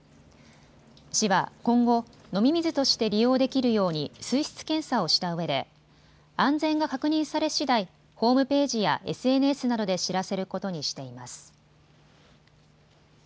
市は今後、飲み水として利用できるように水質検査をしたうえで安全が確認されしだいホームページやＳＮＳなどで知らせることにしています。